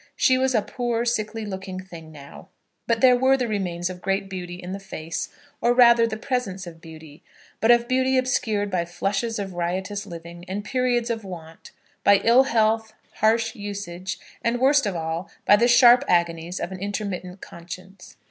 She was a poor, sickly looking thing now, but there were the remains of great beauty in the face, or rather, the presence of beauty, but of beauty obscured by flushes of riotous living and periods of want, by ill health, harsh usage, and, worst of all, by the sharp agonies of an intermittent conscience.